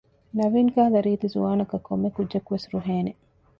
ނަވީން ކަހަލަ ރީތި ޒުވާނަކަށް ކޮންމެކުއްޖަކުވެސް ރުހޭނެ